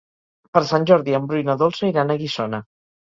Per Sant Jordi en Bru i na Dolça iran a Guissona.